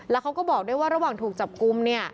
แล้วเขาก็บอกได้ว่าระหว่างถูกจับกุม